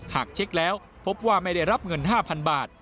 หากเช็คแล้วพบว่าไม่ได้รับเงิน๕๐๐๐บาท